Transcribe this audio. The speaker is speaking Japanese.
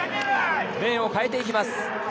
レーンを変えていきます。